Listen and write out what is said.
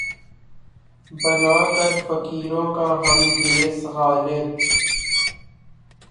بنا کر فقیروں کا ہم بھیس، غالبؔ!